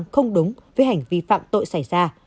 không đúng với hành vi phạm tội xảy ra